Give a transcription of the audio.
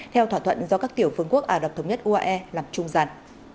theo thỏa thuận do các tiểu phương quốc ả đập thống nhất uae lập trung giặt